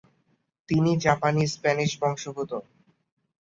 তিনি জাপানি-স্প্যানিশ বংশোদ্ভূত।